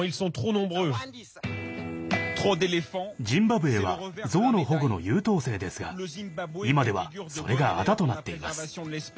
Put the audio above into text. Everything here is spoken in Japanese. ジンバブエはゾウの保護の優等生ですが今ではそれがあだとなっています。